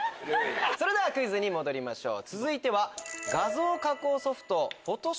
それではクイズに戻りましょう続いては。